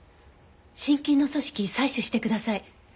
心筋の組織採取してください。